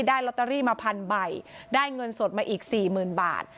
ได้ลอตเตอรี่มา๑๐๐๐ใบได้เงินสดมาอีก๔๐๐๐๐บาท